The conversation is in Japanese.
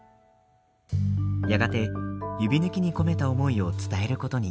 やがて、指ぬきに込めた思いを伝えることに。